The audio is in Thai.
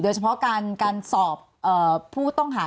โดยเฉพาะการสอบผู้ต้องหา